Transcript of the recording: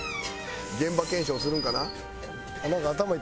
現場検証するんかな？